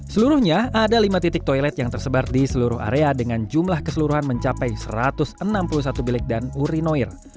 seluruhnya ada lima titik toilet yang tersebar di seluruh area dengan jumlah keseluruhan mencapai satu ratus enam puluh satu bilik dan urinoir